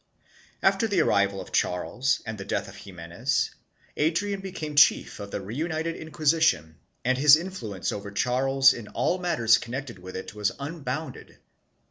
After the arrival of Charles and the death of Ximenes, Adrian became chief of the reunited Inqui sition and his influence over Charles in all matters connected with it was unbounded.